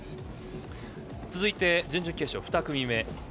続いて準々決勝２組目。